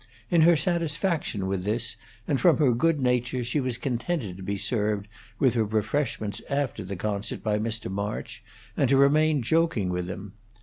In her satisfaction with this, and from her good nature, she was contented to be served with her refreshments after the concert by Mr. March, and to remain joking with him.